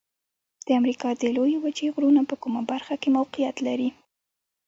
د امریکا د لویې وچې غرونه په کومه برخه کې موقعیت لري؟